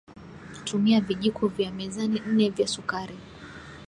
tumia Vijiko vya mezani nne vya sukari